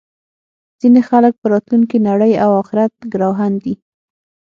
ځینې خلک په راتلونکې نړۍ او اخرت ګروهن دي